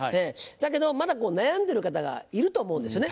だけどまだ悩んでる方がいると思うんですよね。